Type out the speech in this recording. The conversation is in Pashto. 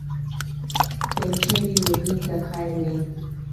سینچري وهې که خیر وي.